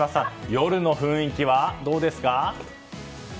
夜の雰囲気はどうですか？